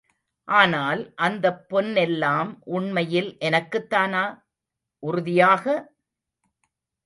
ஆனால், அந்தப் பொன்னெல்லாம் உண்மையில் எனக்குத்தானா? உறுதியாக!